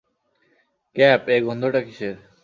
Cap, এ গন্ধটা কীসের?